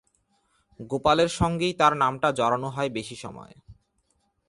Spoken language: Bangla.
গোপালের সঙ্গেই তার নামটা জড়ানো হয় বেশি সময়।